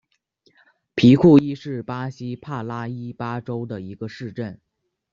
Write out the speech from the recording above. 皮库伊是巴西帕拉伊巴州的一个市镇。